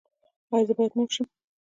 ایا زه باید مور شم؟